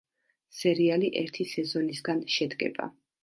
სერიალი ერთი სეზონისგან შედგება.